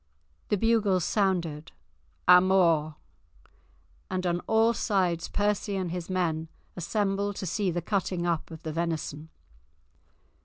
The bugles sounded, "A mort!" and on all sides Percy and his men assembled to see the cutting up of the venison.